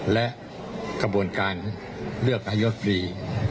และกระบวนการเลือกนายกรี